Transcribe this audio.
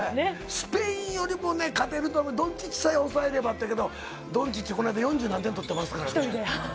スペインよりもね、勝てると思う、ドンチッチさえ抑えればだったけど、ドンチッチ、この間、四十何点取ってますからね。